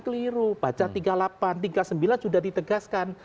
keliru baca tiga puluh delapan tiga puluh sembilan sudah ditegaskan